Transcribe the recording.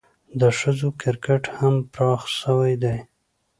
د ښځو کرکټ هم پراخه سوی دئ.